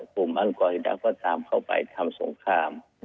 ปุ่มอัลกอนฮิดักษ์ก็ตามเข้าไปทำสงคราม